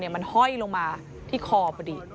มันห้อยลงมาที่คอพอดี